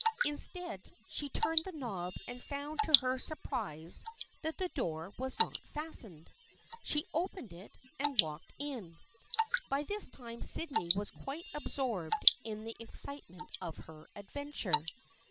In stead she turned the knob and found to her sur prise that the door was not fastened. She opened it and walked in. By this time Sydney was quite absorbed in the excitement of her adventure.